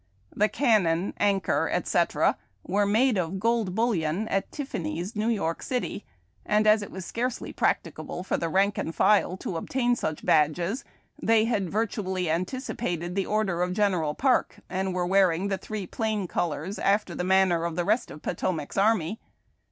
The cannon, anchor, etc., were made of gold bullion at Tiffany's, New York City, and as it was scarcely practicable for the rank and file to obtain such badges, they had virtually anticipated the order of General Parke, and were • wearing the three plain colors after the man ner of the rest of Potomac's army.